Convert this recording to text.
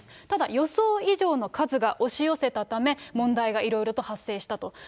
ただ予想以上の数が押し寄せたため、問題がいろいろと発生したと。